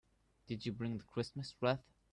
Did you bring the Christmas wreath?